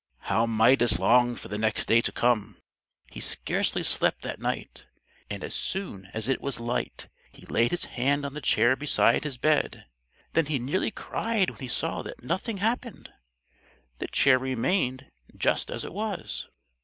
How Midas longed for the next day to come! He scarcely slept that night, and as soon as it was light he laid his hand on the chair beside his bed; then he nearly cried when he saw that nothing happened: the chair remained just as it was.